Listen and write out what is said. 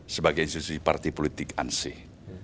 sebagai institusi partai politik ansih